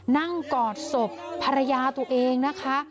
กอดศพภรรยาตัวเองนะคะ